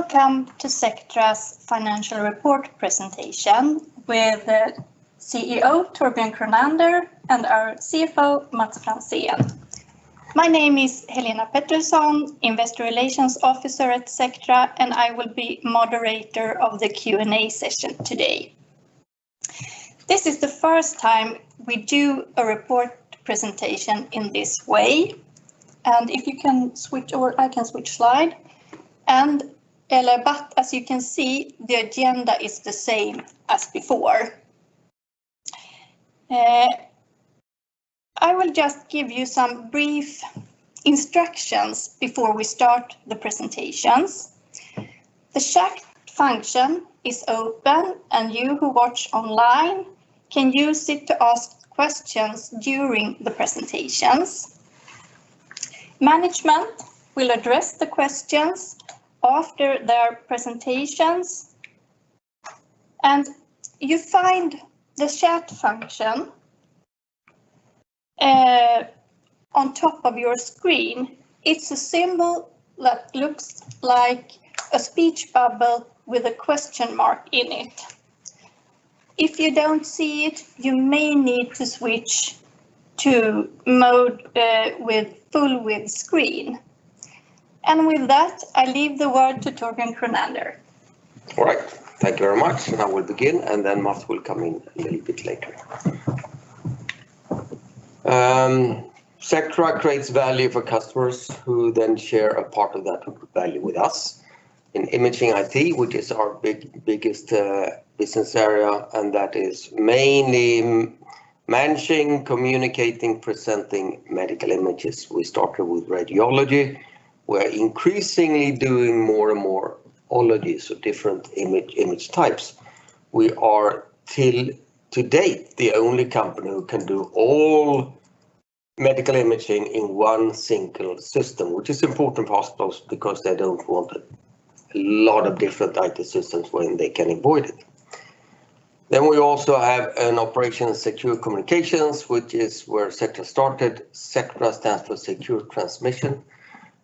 Welcome to Sectra's financial report presentation with CEO Torbjörn Kronander and our CFO Mats Franzén. My name is Helena Pettersson, Investor Relations Officer at Sectra, and I will be moderator of the Q&A session today. This is the first time we do a report presentation in this way. If you can switch or I can switch slide. As you can see, the agenda is the same as before. I will just give you some brief instructions before we start the presentations. The chat function is open, and you who watch online can use it to ask questions during the presentations. Management will address the questions after their presentations. You find the chat function on top of your screen. It's a symbol that looks like a speech bubble with a question mark in it. If you don't see it, you may need to switch to mode with full-width screen. With that, I leave the word to Torbjörn Kronander. All right. Thank you very much. I will begin, and then Mats will come in a little bit later. Sectra creates value for customers who then share a part of that value with us in Imaging IT, which is our biggest business area, and that is mainly managing, communicating, presenting medical images. We started with radiology. We're increasingly doing more and more ologies of different image types. We are, till to date, the only company who can do all medical imaging in one single system, which is important for hospitals because they don't want a lot of different IT systems when they can avoid it. We also have an operation Secure Communications, which is where Sectra started. Sectra stands for secure transmission,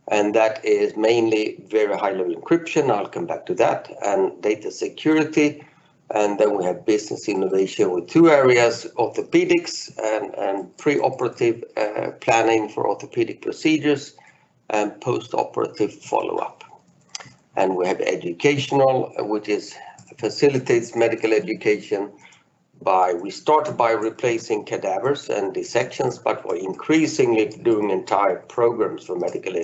and that is mainly very high-level encryption, I'll come back to that, and data security. We have Business Innovation with two areas, Orthopaedics and preoperative planning for orthopedic procedures and postoperative follow-up. We have Medical Education, which facilitates medical education. We started by replacing cadavers and dissections, but we're increasingly doing entire programs for medical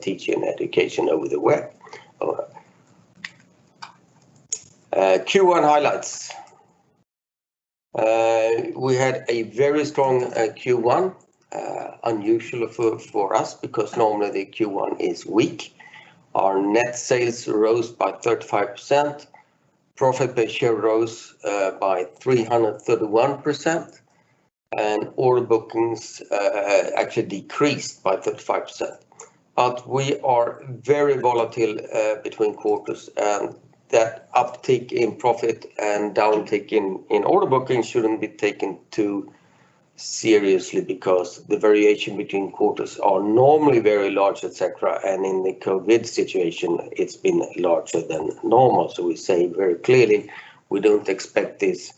teaching education over the web. Q1 highlights. We had a very strong Q1, unusual for us because normally the Q1 is weak. Our net sales rose by 35%, profit per share rose by 331%, and order bookings actually decreased by 35%. We are very volatile between quarters, and that uptick in profit and downtick in order booking shouldn't be taken too seriously because the variation between quarters are normally very large at Sectra, and in the COVID situation, it's been larger than normal. We say very clearly we don't expect this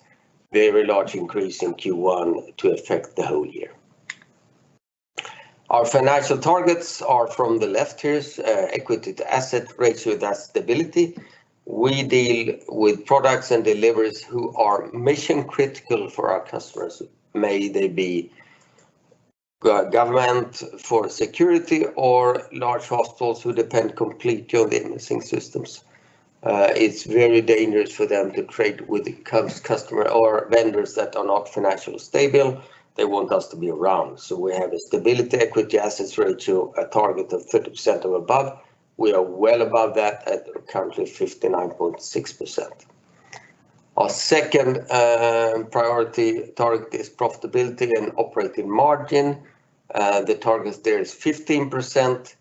very large increase in Q1 to affect the whole year. Our financial targets are from the left here, equity to asset ratio, that's stability. We deal with products and deliveries who are mission-critical for our customers, may they be government for security or large hospitals who depend completely on the imaging systems. It's very dangerous for them to trade with customer or vendors that are not financially stable. They want us to be around. We have a stability equity assets ratio, a target of 30% or above. We are well above that at currently 59.6%. Our second priority target is profitability and operating margin. The target there is 15%.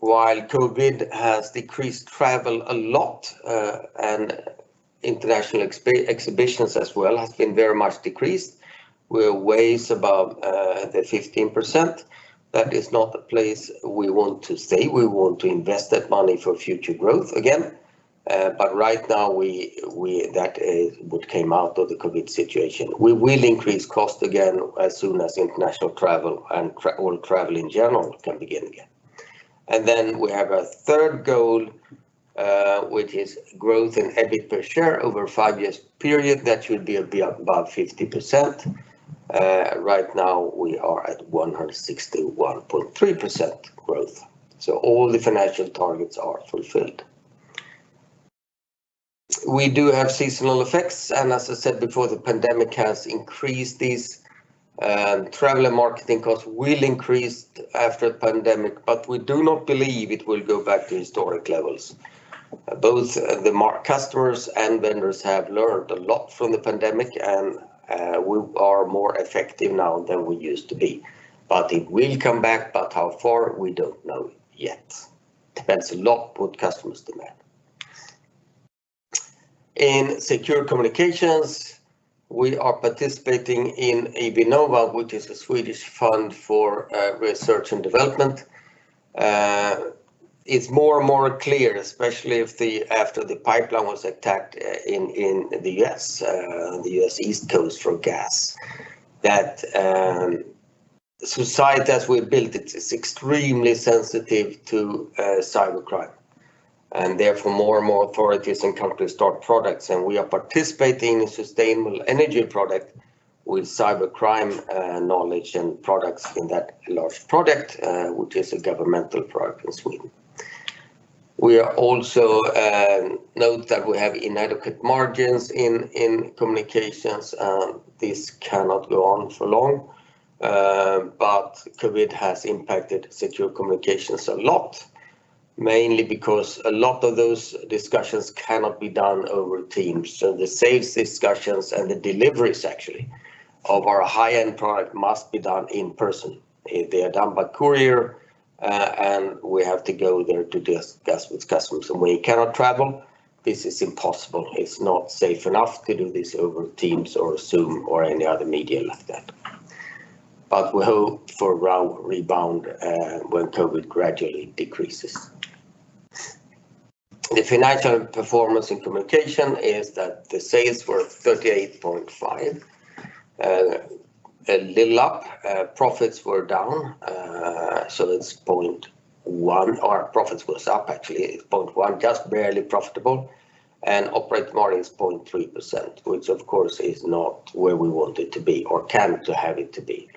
While COVID has decreased travel a lot, and international exhibitions as well has been very much decreased, we're ways above the 15%. That is not the place we want to stay. We want to invest that money for future growth again. Right now, that would come out of the COVID situation. We will increase cost again as soon as international travel and all travel in general can begin again. Then we have a third goal, which is growth in EBIT per share over a five years period. That should be above 50%. Right now, we are at 161.3% growth. All the financial targets are fulfilled. We do have seasonal effects, and as I said before, the pandemic has increased these. Travel and marketing costs will increase after the pandemic, but we do not believe it will go back to historic levels. Both the customers and vendors have learned a lot from the pandemic, and we are more effective now than we used to be. It will come back, but how far, we don't know yet. Depends a lot what customers demand. In Secure Communications, we are participating in Vinnova, which is a Swedish fund for research and development. It's more and more clear, especially after the pipeline was attacked in the U.S. East Coast from gas, that society as we built it is extremely sensitive to cybercrime. Therefore, more and more authorities and countries stock products. We are participating in sustainable energy product with cybercrime knowledge and products in that large product, which is a governmental product in Sweden. We also note that we have inadequate margins in Secure Communications. This cannot go on for long. COVID has impacted Secure Communications a lot, mainly because a lot of those discussions cannot be done over Teams. The sales discussions and the deliveries actually of our high-end product must be done in person. If they are done by courier and we have to go there to discuss with customers and we cannot travel, this is impossible. It's not safe enough to do this over Teams or Zoom or any other medium like that. We hope for a rebound when COVID gradually decreases. The financial performance in Secure Communications is that the sales were 38.5, a little up. Profits were down. That's 0.1. Our profits was up actually, 0.1, just barely profitable, and operating margin is 0.3%, which of course is not where we want it to be or can have it to be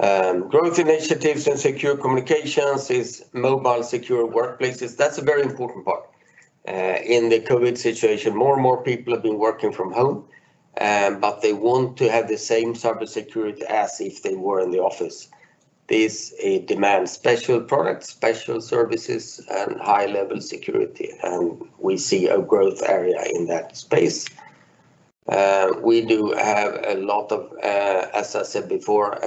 long-term. Growth initiatives in Secure Communications is mobile secure workplaces. That's a very important part. In the COVID situation, more and more people have been working from home, but they want to have the same cyber security as if they were in the office. This demands special products, special services, and high-level security. We see a growth area in that space. We do have a lot of, as I said before,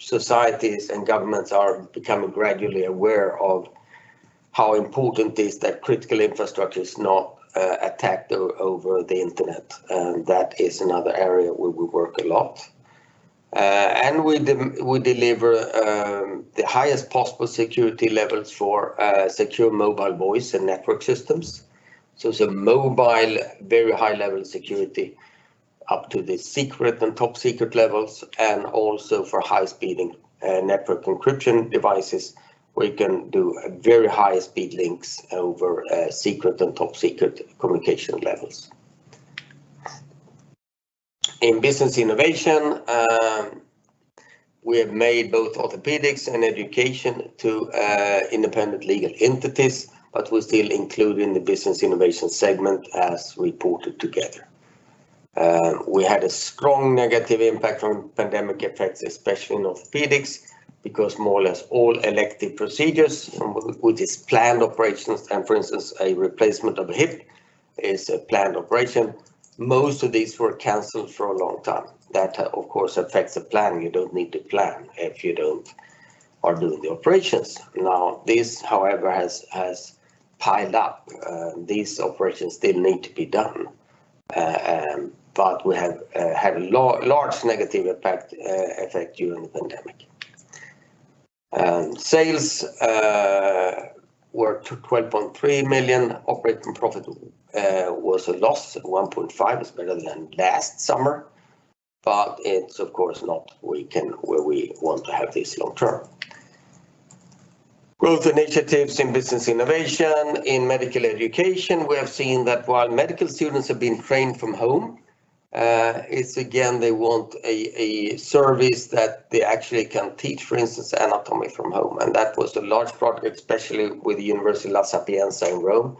societies and governments are becoming gradually aware of how important it is that critical infrastructure is not attacked over the internet. That is another area where we work a lot. We deliver the highest possible security levels for secure mobile voice and network systems. It's a mobile, very high-level security up to the secret and top-secret levels, and also for high-speed network encryption devices, where you can do very high-speed links over secret and top-secret communication levels. In Business Innovation, we have made both Orthopaedics and education to independent legal entities. We still include in the Business Innovation segment as reported together. We had a strong negative impact from pandemic effects, especially in Orthopaedics, because more or less all elective procedures, which is planned operations and for instance, a replacement of a hip is a planned operation. Most of these were canceled for a long time. That of course affects the plan. You don't need to plan if you don't, are doing the operations. This, however, has piled up. These operations still need to be done, but we have had a large negative effect during the pandemic. Sales were 12.3 million. Operating profit was a loss of 1.5. It's better than last summer, but it's of course not where we want to have this long-term. Growth initiatives in Business Innovation, in Medical Education, we have seen that while medical students have been trained from home, it's again, they want a service that they actually can teach, for instance, anatomy from home. That was the large project, especially with Sapienza University of Rome,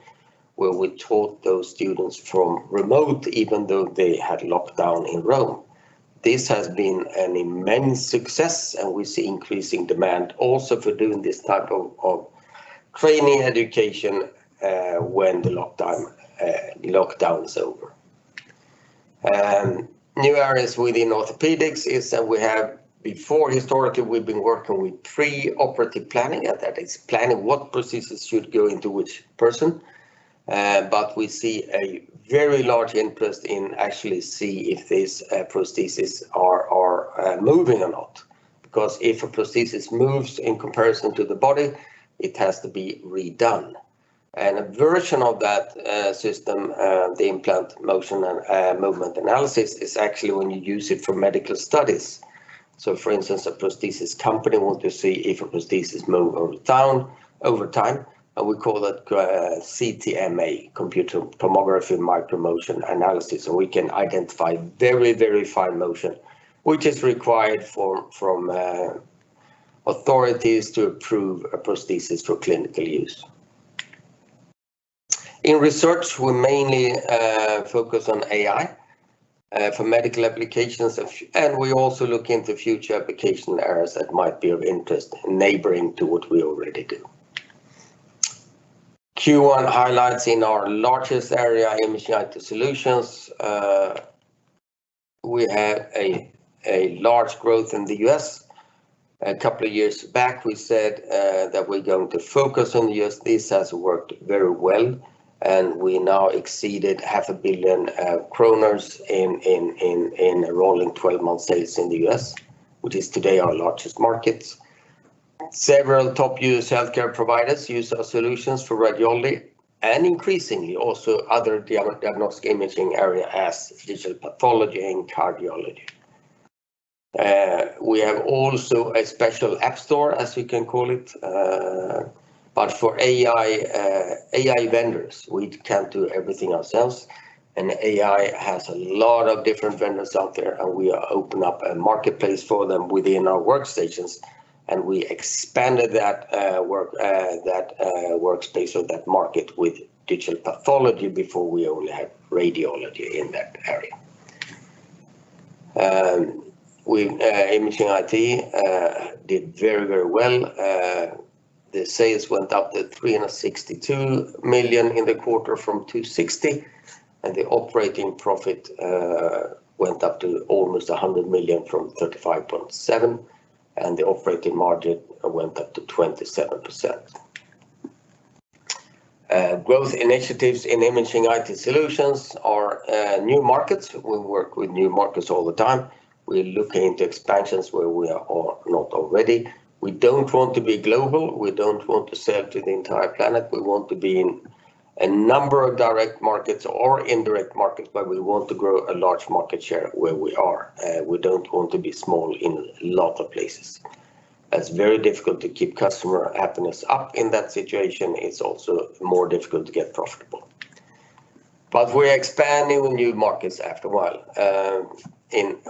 where we taught those students from remote, even though they had lockdown in Rome. This has been an immense success, and we see increasing demand also for doing this type of training education when the lockdown is over. New areas within orthopedics is that we have before, historically, we've been working with pre-operative planning. That is planning what prosthesis should go into which person. We see a very large interest in actually see if these prosthesis are moving or not. Because if a prosthesis moves in comparison to the body, it has to be redone. A version of that system, the implant motion and movement analysis, is actually when you use it for medical studies. For instance, a prosthesis company want to see if a prosthesis move down over time, and we call that CTMA, Computed Tomography Micromotion Analysis. We can identify very fine motion, which is required from authorities to approve a prosthesis for clinical use. In research, we mainly focus on AI for medical applications, and we also look into future application areas that might be of interest neighboring to what we already do. Q1 highlights in our largest area, Imaging IT Solutions, we had a large growth in the U.S. A couple of years back, we said that we're going to focus on the U.S. This has worked very well, and we now exceeded 0.5 billion kronor in rolling 12-months sales in the U.S., which is today our largest market. Several top U.S. healthcare providers use our solutions for radiology, and increasingly also other diagnostic imaging area as digital pathology and cardiology. We have also a special app store, as we can call it, but for AI vendors. We can't do everything ourselves, and AI has a lot of different vendors out there, and we open up a marketplace for them within our workstations, and we expanded that workspace or that market with digital pathology, before we only had radiology in that area. Imaging IT did very well. The sales went up to 362 million in the quarter from 260 million, and the operating profit went up to almost 100 million from 35.7 million, and the operating margin went up to 27%. Growth initiatives in Imaging IT solutions are new markets. We work with new markets all the time. We're looking into expansions where we are not already. We don't want to be global. We don't want to sell to the entire planet. We want to be in a number of direct markets or indirect markets, but we want to grow a large market share where we are. We don't want to be small in a lot of places. That's very difficult to keep customer happiness up in that situation. It's also more difficult to get profitable. We're expanding new markets after a while.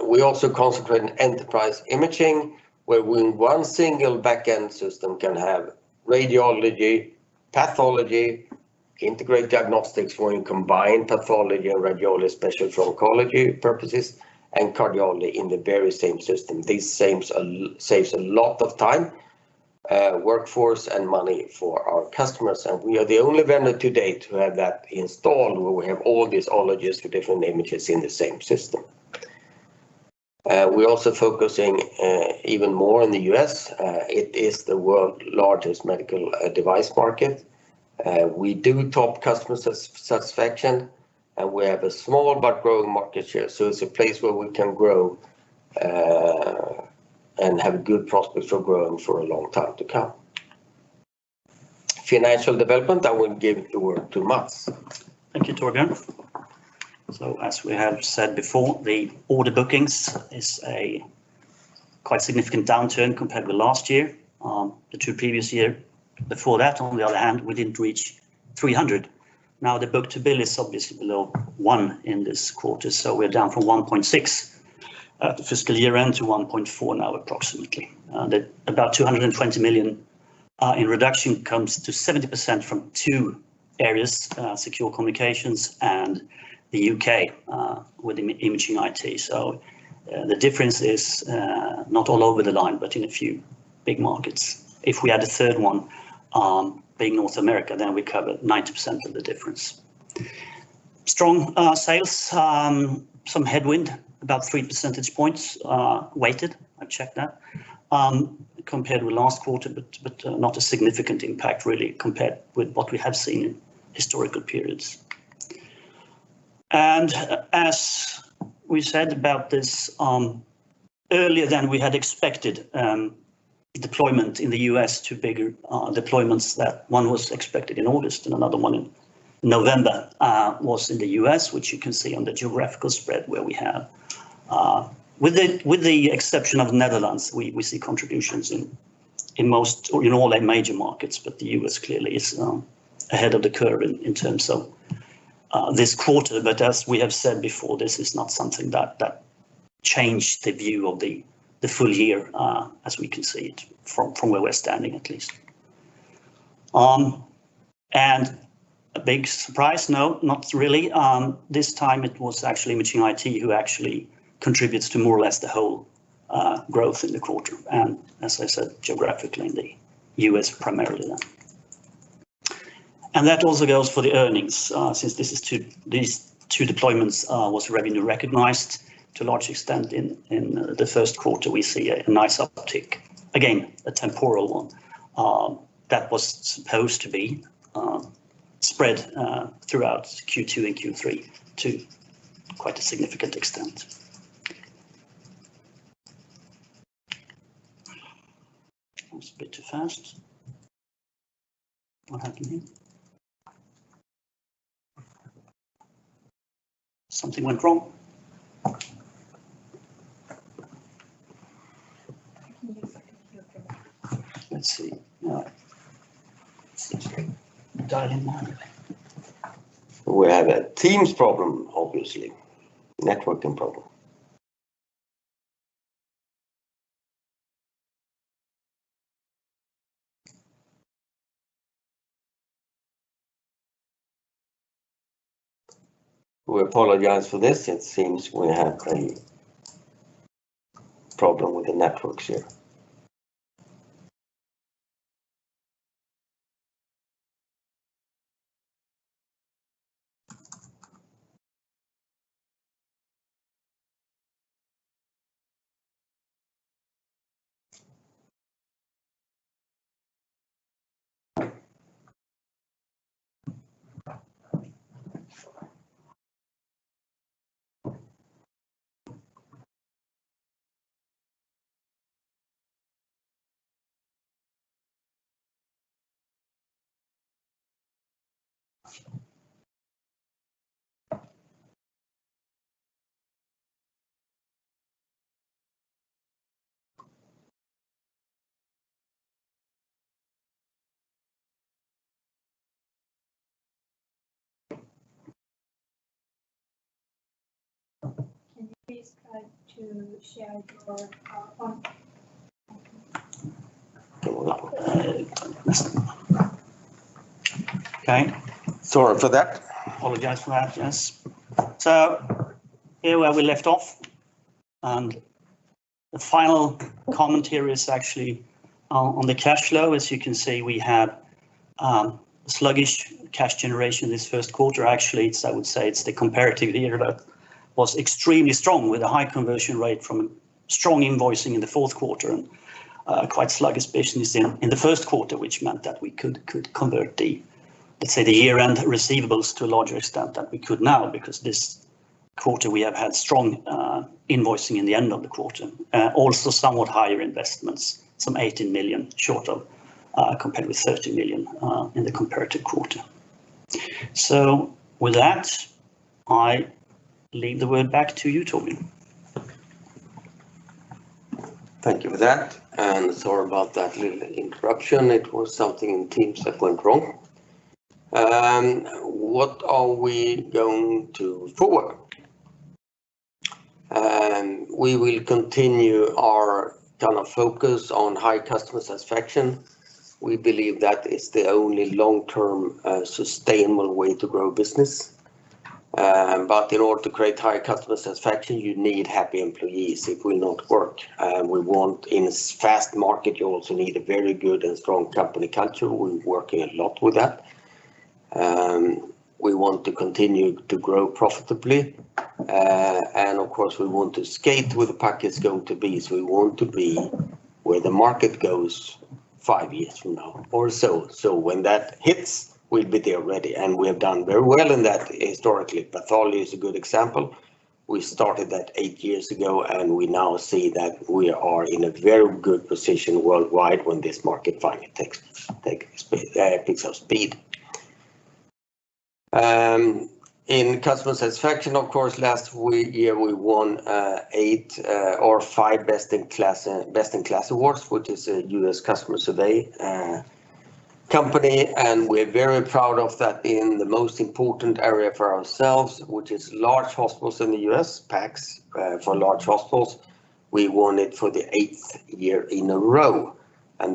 We also concentrate on enterprise imaging, where one single back-end system can have radiology, pathology, integrate diagnostics for a combined pathology and radiology, especially for oncology purposes, and cardiology in the very same system. This saves a lot of time, workforce, and money for our customers, and we are the only vendor to date who have that installed, where we have all these ologists for different images in the same system. We're also focusing even more on the U.S. It is the world's largest medical device market. We do top customer satisfaction, and we have a small but growing market share, so it's a place where we can grow and have good prospects for growing for a long time to come. Financial development, I will give the word to Mats. Thank you, Torbjörn. As we have said before, the order bookings is a quite significant downturn compared with last year. The two previous years before that, on the other hand, we didn't reach 300. The book-to-bill is obviously below one in this quarter. We're down from 1.6 fiscal year-end to 1.4 now, approximately. About 220 million in reduction comes to 70% from two areas, Secure Communications and the U.K., with Imaging IT Solutions. The difference is not all over the line, but in a few big markets. If we add a third one, being North America, we cover 90% of the difference. Strong sales, some headwind, about 3 percentage points, weighted, I checked that, compared with last quarter, but not a significant impact, really compared with what we have seen in historical periods. As we said about this, earlier than we had expected, deployment in the U.S., two bigger deployments. One was expected in August and another one in November was in the U.S., which you can see on the geographical spread where we have. With the exception of Netherlands, we see contributions in all their major markets, but the U.S. clearly is ahead of the curve in terms of this quarter. As we have said before, this is not something that changed the view of the full year, as we can see it from where we're standing, at least. A big surprise. No, not really. This time it was actually Imaging IT Solutions who actually contributes to more or less the whole growth in the quarter. As I said, geographically in the U.S. primarily then. That also goes for the earnings. Since these two deployments was revenue recognized to a large extent in the first quarter, we see a nice uptick. Again, a temporal one that was supposed to be spread throughout Q2 and Q3 to quite a significant extent. That was a bit too fast. What happened here? Something went wrong. You can use a computer. Let's see. Now. It seems to be done manually. We have a Teams problem, obviously. Networking problem. We apologize for this. It seems we have a problem with the networks here. Can you please try to share your PowerPoint? Okay. Sorry for that. Apologize for that, yes. Here where we left off. The final commentary is actually on the cash flow. As you can see, we have sluggish cash generation this first quarter. Actually, I would say it's the comparative year that was extremely strong with a high conversion rate from strong invoicing in the fourth quarter, and quite sluggish, especially in the first quarter, which meant that we could convert, let's say, the year-end receivables to a larger extent than we could now, because this quarter we have had strong invoicing in the end of the quarter. Also somewhat higher investments, some 18 million shorter, compared with 30 million in the comparative quarter. With that, I leave the word back to you, Torbjörn. Thank you for that, sorry about that little interruption. It was something in Teams that went wrong. What are we going to forward? We will continue our focus on high customer satisfaction. We believe that is the only long-term, sustainable way to grow business. In order to create high customer satisfaction, you need happy employees. It will not work. In a fast market, you also need a very good and strong company culture. We're working a lot with that. We want to continue to grow profitably. Of course, we want to skate to where the puck is going to be. We want to be where the market goes five years from now or so. When that hits, we'll be there ready, and we have done very well in that historically. Pathology is a good example. We started that eight years ago. We now see that we are in a very good position worldwide when this market finally picks up speed. In customer satisfaction, of course, last year we won five Best in KLAS awards, which is a U.S. customer survey company. We're very proud of that in the most important area for ourselves, which is large hospitals in the U.S., PACS for large hospitals. We won it for the eighth year in a row.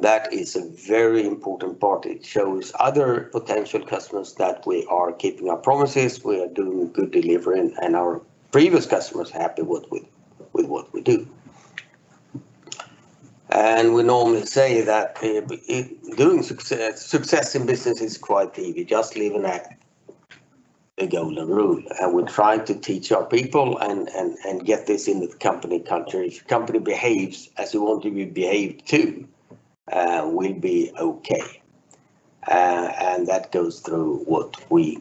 That is a very important part. It shows other potential customers that we are keeping our promises, we are doing good delivery, and our previous customers are happy with what we do. We normally say that success in business is quite easy. Just live in that golden rule, and we try to teach our people and get this into the company culture. If your company behaves as you want to be behaved to, we'll be okay, and that goes through what we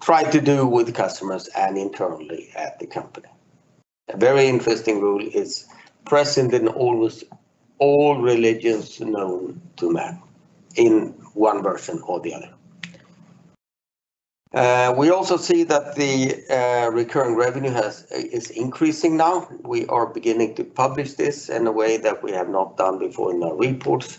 try to do with customers and internally at the company. A very interesting rule is present in almost all religions known to man in one version or the other. We also see that the recurring revenue is increasing now. We are beginning to publish this in a way that we have not done before in our reports.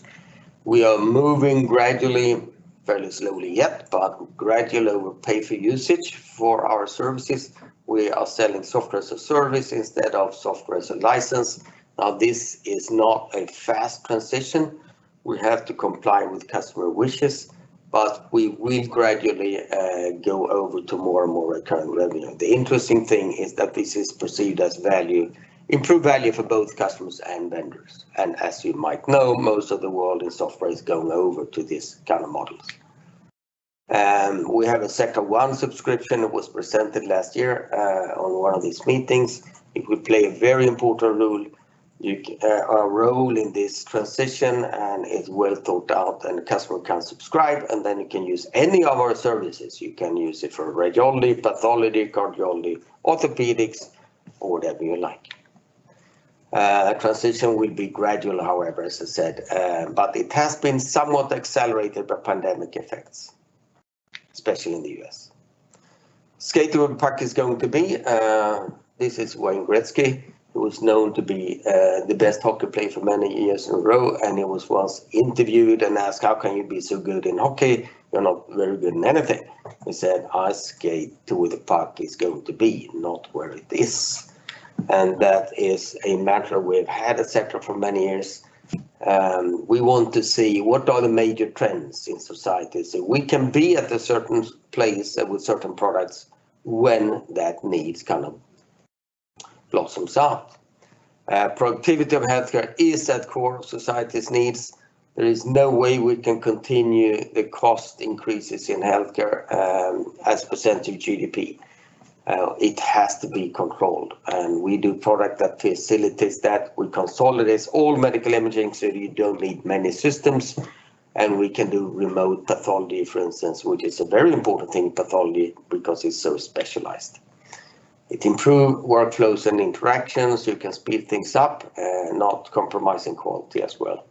We are moving gradually, fairly slowly yet, but gradually with pay for usage for our services. We are selling software as a service instead of software as a license. Now, this is not a fast transition. We have to comply with customer wishes, but we will gradually go over to more and more recurring revenue. The interesting thing is that this is perceived as improved value for both customers and vendors. As you might know, most of the world in software is going over to these kind of models. We have a Sectra One subscription that was presented last year on one of these meetings. It will play a very important role in this transition, and it's well thought out, and the customer can subscribe, and then you can use any of our services. You can use it for radiology, pathology, cardiology, orthopedics, or whatever you like. Transition will be gradual, however, as I said, but it has been somewhat accelerated by pandemic effects, especially in the U.S. Skate to where the puck is going to be. This is Wayne Gretzky, who was known to be the best hockey player for many years in a row, and he was once interviewed and asked, "How can you be so good in hockey? You're not very good in anything." He said, "I skate to where the puck is going to be, not where it is." That is a mantra we've had at Sectra for many years. We want to see what are the major trends in society, so we can be at a certain place with certain products when that need kind of blossoms out. Productivity of healthcare is at core of society's needs. There is no way we can continue the cost increases in healthcare as a percentage of GDP. It has to be controlled, we do product that facilitates that. We consolidate all medical imaging, so you don't need many systems, we can do remote pathology, for instance, which is a very important thing, pathology, because it's so specialized. It improve workflows and interactions. You can speed things up, not compromising quality as well.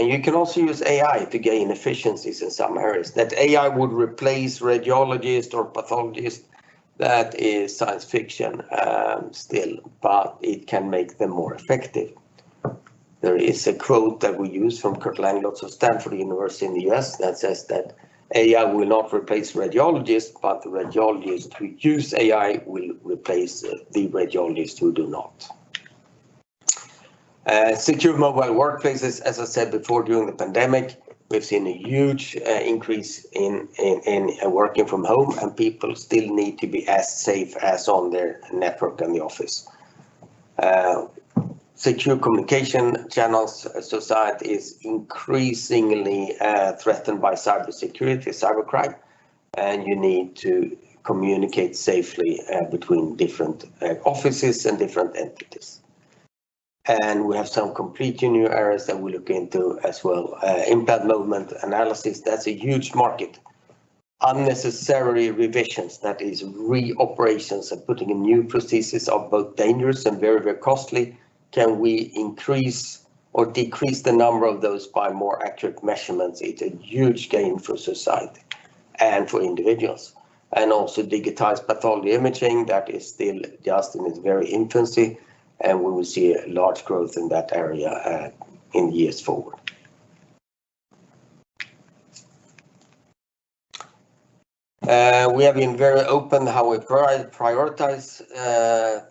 You can also use AI to gain efficiencies in some areas. That AI would replace radiologists or pathologists, that is science fiction still, but it can make them more effective. There is a quote that we use from Curtis Langlotz, also Stanford University in the U.S., that says that AI will not replace radiologists, but the radiologists who use AI will replace the radiologists who do not. Secure mobile workplaces, as I said before, during the pandemic, we've seen a huge increase in working from home, and people still need to be as safe as on their network in the office. Secure communication channels. Society is increasingly threatened by cybersecurity, cybercrime, and you need to communicate safely between different offices and different entities. We have some completely new areas that we look into as well. Implant movement analysis, that's a huge market. Unnecessary revisions, that is reoperations and putting in new prosthesis, are both dangerous and very costly. Can we increase or decrease the number of those by more accurate measurements? It's a huge gain for society and for individuals. Also digital pathology, that is still just in its very infancy, and we will see a large growth in that area in years forward. We have been very open how we prioritize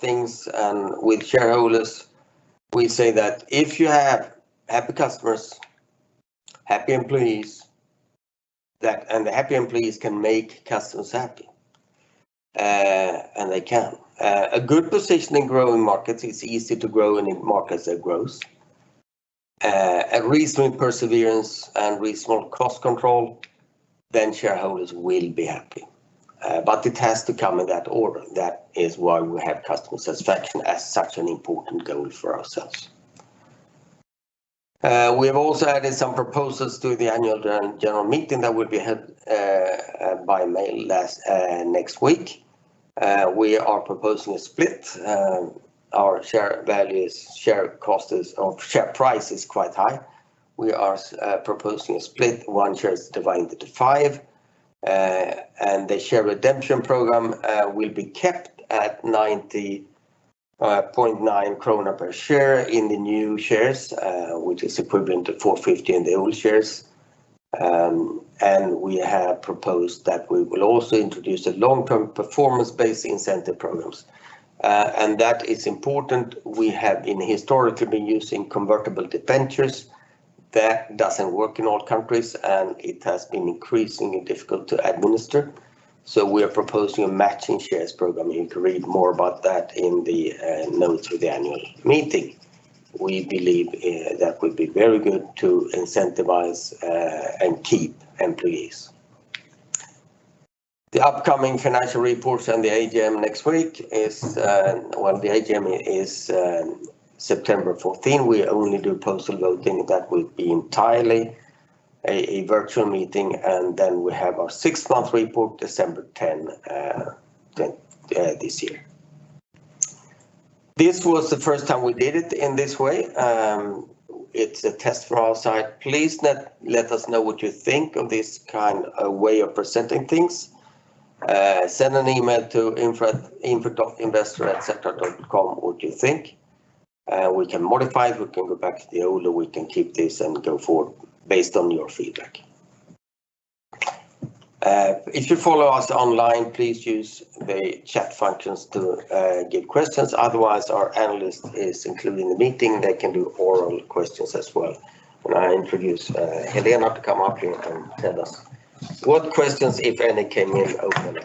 things with shareholders. We say that if you have happy customers, happy employees, and happy employees can make customers happy, and they can. A good position in growing markets, it's easy to grow in markets that grows. A reasonable perseverance and reasonable cost control, then shareholders will be happy. It has to come in that order. That is why we have customer satisfaction as such an important goal for ourselves. We have also added some proposals to the Annual General Meeting that will be held by mail next week. We are proposing a split. Our share value, share price is quite high. We are proposing a split, one share is divided into five. The share redemption program will be kept at 90.9 krona per share in the new shares, which is equivalent to 450 in the old shares. We have proposed that we will also introduce a long-term performance-based incentive programs. That is important. We have historically been using convertible debentures. That doesn't work in all countries, and it has been increasingly difficult to administer. We are proposing a matching shares program, and you can read more about that in the notes with the Annual Meeting. We believe that would be very good to incentivize and keep employees. The upcoming financial reports and the AGM next week. Well, the AGM is September 14. We only do postal voting. That will be entirely a virtual meeting. Then we have our six-monthly report December 10 this year. This was the first time we did it in this way. It's a test for our side. Please let us know what you think of this kind of way of presenting things. Send an email to info@investor.sectra.com what you think. We can modify, we can go back to the old, or we can keep this and go forward based on your feedback. If you follow us online, please use the chat functions to give questions. Otherwise, our analyst is included in the meeting. They can do oral questions as well. Will I introduce Helena to come up here and tell us what questions, if any, came in openly?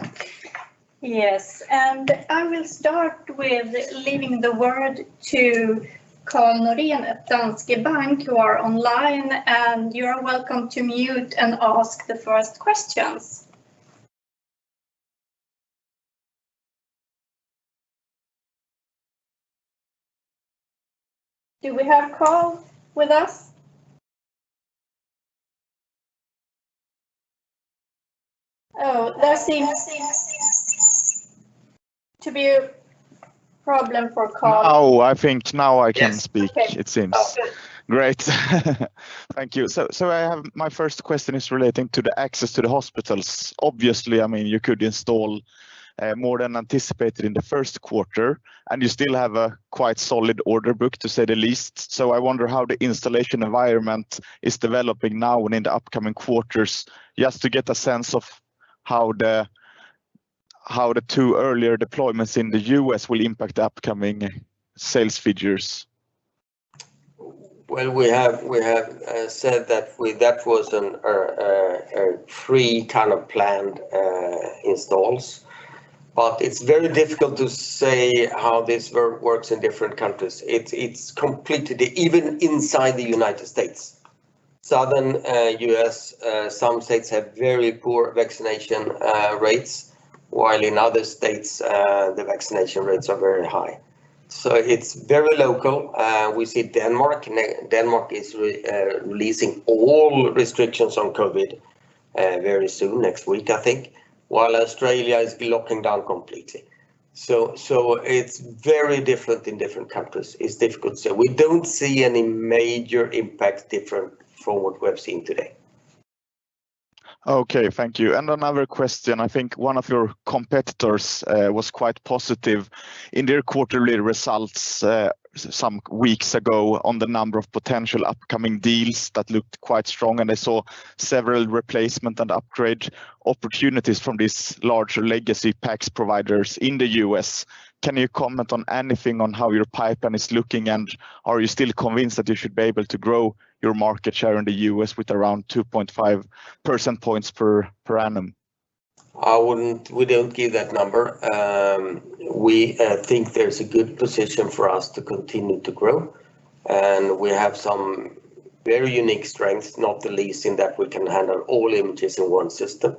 Yes. I will start with leaving the word to Karl Norén at Danske Bank, you are online, and you are welcome to mute and ask the first questions. Do we have Karl with us? Oh, there seems to be a problem for Karl. I think now I can speak. Yes. Okay. it seems. Oh, good. Great. Thank you. My first question is relating to the access to the hospitals. Obviously, you could install more than anticipated in the first quarter, and you still have a quite solid order book, to say the least. I wonder how the installation environment is developing now and in the upcoming quarters, just to get a sense of how the two earlier deployments in the U.S. will impact the upcoming sales figures. We have said that was a free kind of planned installs, but it's very difficult to say how this works in different countries. Even inside the United States. Southern U.S., some states have very poor vaccination rates, while in other states, the vaccination rates are very high. It's very local. We see Denmark. Denmark is releasing all restrictions on COVID very soon, next week, I think, while Australia is locking down completely. It's very different in different countries. It's difficult to say. We don't see any major impact different from what we're seeing today. Okay. Thank you. Another question, I think one of your competitors was quite positive in their quarterly results some weeks ago on the number of potential upcoming deals that looked quite strong, and they saw several replacement and upgrade opportunities from these large legacy PACS providers in the U.S. Can you comment on anything on how your pipeline is looking, and are you still convinced that you should be able to grow your market share in the U.S. with around 2.5% points per annum? We don't give that number. We think there's a good position for us to continue to grow. We have some very unique strengths, not the least in that we can handle all images in one system,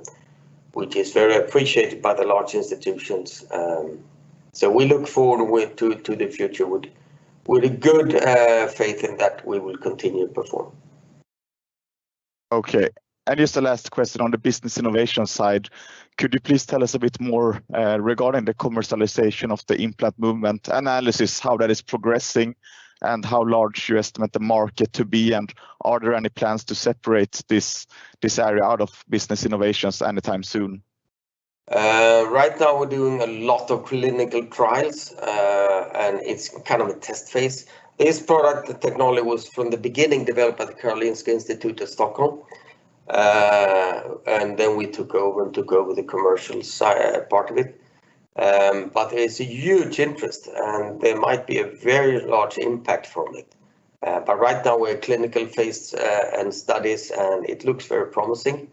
which is very appreciated by the large institutions. We look forward to the future with a good faith in that we will continue to perform. Okay. Just the last question on the Business Innovation side, could you please tell us a bit more regarding the commercialization of the implant movement analysis, how that is progressing, and how large you estimate the market to be, and are there any plans to separate this area out of Business Innovation anytime soon? Right now we're doing a lot of clinical trials, and it's kind of a test phase. This product, the technology was from the beginning developed at the Karolinska Institute of Stockholm. Then we took over the commercial part of it. There's a huge interest, and there might be a very large impact from it. Right now we're clinical phase and studies, and it looks very promising,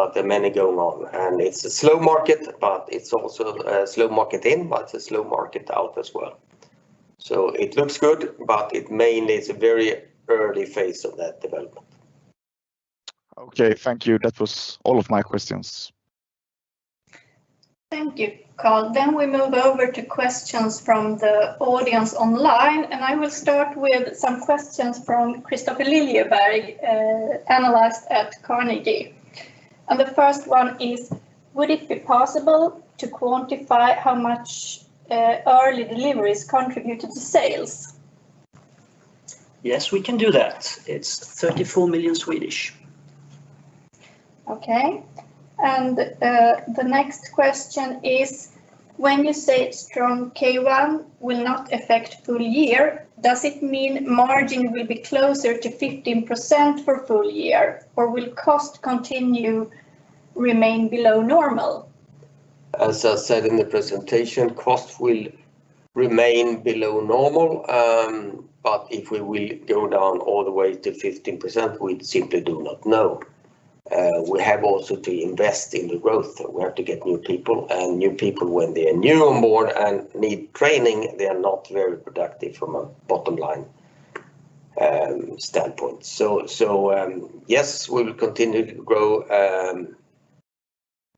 but there are many go long, and it's a slow market, but it's also a slow market in, but it's a slow market out as well. It looks good, but it mainly is a very early phase of that development. Okay, thank you. That was all of my questions. Thank you, Karl. We move over to questions from the audience online. I will start with some questions from Kristofer Liljeberg, analyst at Carnegie. The first one is, would it be possible to quantify how much early deliveries contribute to the sales? Yes, we can do that. It's 34 million. Okay. The next question is, when you say strong Q1 will not affect full year, does it mean margin will be closer to 15% for full year or will cost continue remain below normal? As I said in the presentation, costs will remain below normal, but if we will go down all the way to 15%, we simply do not know. We have also to invest in the growth. We have to get new people, and new people, when they're new on board and need training, they are not very productive from a bottom-line standpoint. Yes, we will continue to grow.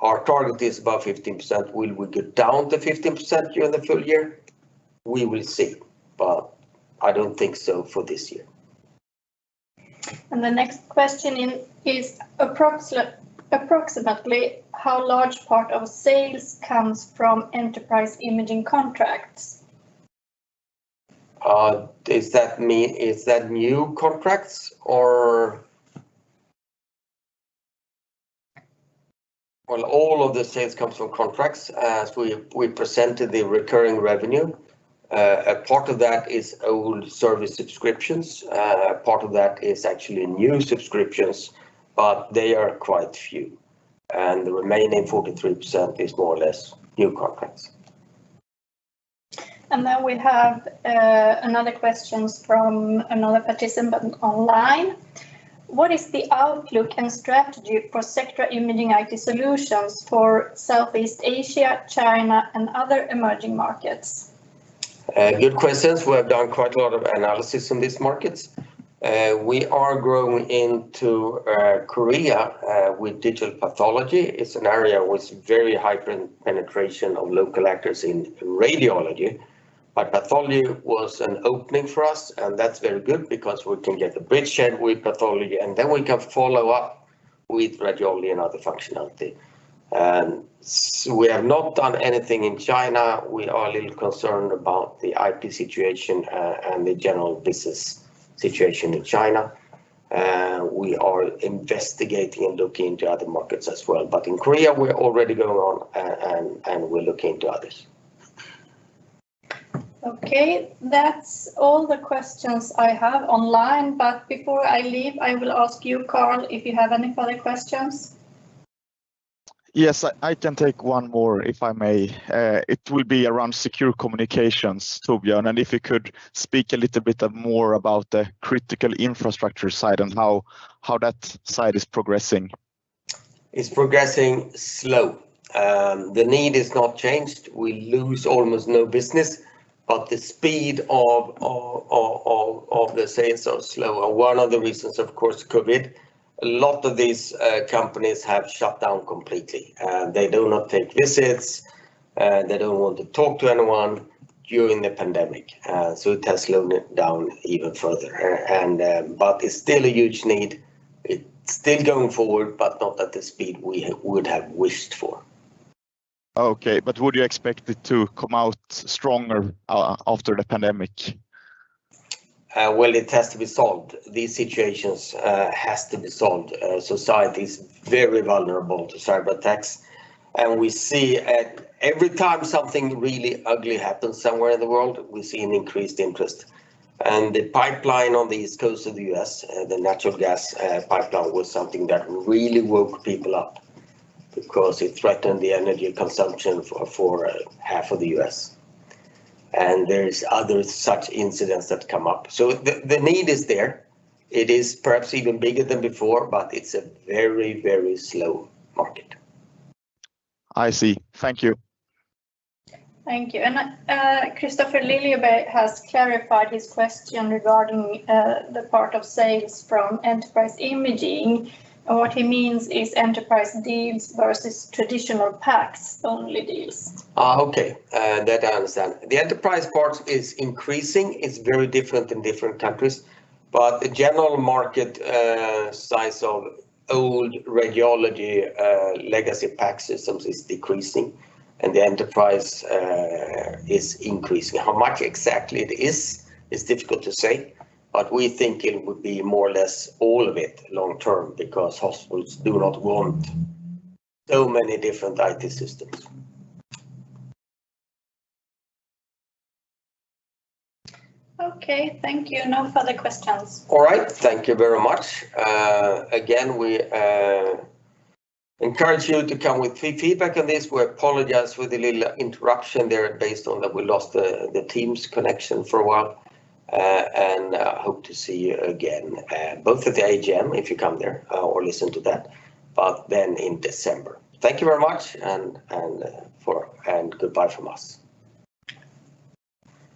Our target is above 15%. Will we get down to 15% during the full year? We will see, but I don't think so for this year. The next question is approximately how large part of sales comes from enterprise imaging contracts? Is that new contracts or? All of the sales comes from contracts. As we presented the recurring revenue, a part of that is old service subscriptions. A part of that is actually new subscriptions, but they are quite few, and the remaining 43% is more or less new contracts. We have another question from another participant online. What is the outlook and strategy for Sectra Imaging IT Solutions for Southeast Asia, China, and other emerging markets? Good questions. We have done quite a lot of analysis in these markets. We are growing into Korea, with digital pathology. It's an area with very high penetration of local actors in radiology, but pathology was an opening for us, and that's very good because we can get a bridgehead with pathology, and then we can follow up with radiology and other functionality. We have not done anything in China. We are a little concerned about the IP situation, and the general business situation in China. We are investigating and looking into other markets as well. In Korea, we're already going on, and we're looking to others. Okay. That's all the questions I have online, but before I leave, I will ask you, Karl, if you have any further questions? Yes, I can take one more if I may. It will be around Secure Communications, Torbjörn, and if you could speak a little bit more about the critical infrastructure side and how that side is progressing. It's progressing slow. The need is not changed. We lose almost no business. The speed of the sales are slow. One of the reasons, of course, COVID. A lot of these companies have shut down completely. They do not take visits, they don't want to talk to anyone during the pandemic. It has slowed it down even further. It's still a huge need. It's still going forward, but not at the speed we would have wished for. Okay. Would you expect it to come out stronger after the pandemic? It has to be solved. These situations have to be solved. Society's very vulnerable to cyber attacks, and every time something really ugly happens somewhere in the world, we see an increased interest. The pipeline on the East Coast of the U.S., the natural gas pipeline, was something that really woke people up because it threatened the energy consumption for half of the U.S. There's other such incidents that come up. The need is there. It is perhaps even bigger than before, but it's a very, very slow market. I see. Thank you. Thank you. Kristofer Liljeberg has clarified his question regarding the part of sales from enterprise imaging. What he means is enterprise deals versus traditional PACS-only deals. Okay, that I understand. The enterprise part is increasing. It's very different in different countries. The general market size of old radiology legacy PACS systems is decreasing, and the enterprise is increasing. How much exactly it is difficult to say, but we think it would be more or less all of it long term because hospitals do not want so many different IT systems. Okay, thank you. No further questions. All right. Thank you very much. Again, we encourage you to come with feedback on this. We apologize for the little interruption there based on that we lost the Teams connection for a while, and hope to see you again, both at the AGM, if you come there or listen to that, but then in December. Thank you very much and goodbye from us.